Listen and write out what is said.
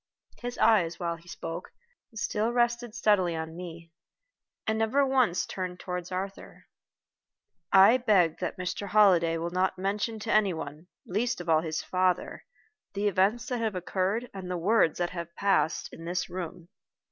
His eyes, while he spoke, still rested steadily on me, and never once turned toward Arthur. "I beg that Mr. Holliday will not mention to any one, least of all to his father, the events that have occurred and the words that have passed in this room.